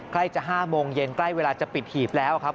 ใกล้จะ๕โมงเย็นใกล้เวลาจะปิดหีบแล้วครับ